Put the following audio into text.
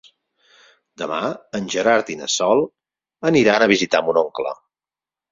Demà en Gerard i na Sol aniran a visitar mon oncle.